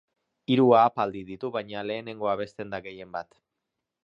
Hiru ahapaldi ditu, baina lehenengoa abesten da gehienbat.